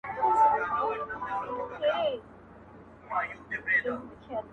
گرانه په دغه سي حشر كي جــادو.